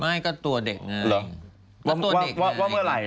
ไม่ก็ตัวเด็กหน่อย